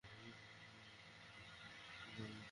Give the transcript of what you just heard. যদি সেই ট্রিনিটি আগের ট্রিনিটির মতো নাহয়?